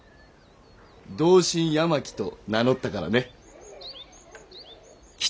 「同心八巻」と名乗ったからね。